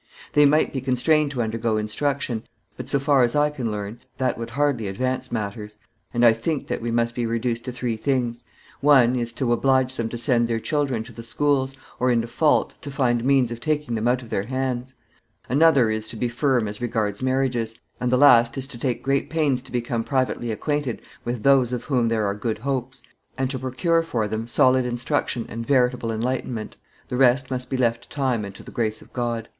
They might be constrained to undergo instruction; but, so far as I can learn, that would hardly advance matters, and I think that we must be reduced to three things; one is, to oblige them to send their children to the schools, or, in default, to find means of taking them out of their hands; another is, to be firm as regards marriages; and the last is, to take great pains to become privately acquainted with those of whom there are good hopes, and to procure for them solid instruction and veritable enlightenment; the rest must be left to time and to the grace of God.